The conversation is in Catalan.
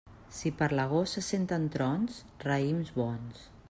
Si per l'agost se senten trons, raïms bons.